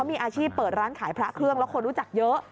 มีอาชีพเปิดร้านขายพระเครื่องแล้วคนรู้จักเยอะ